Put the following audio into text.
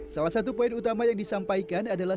salah satu poin utama yang disampaikan adalah